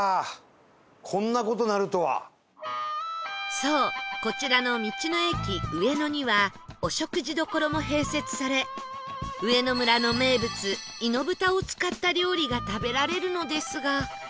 そうこちらの道の駅上野にはお食事処も併設され上野村の名物猪豚を使った料理が食べられるのですが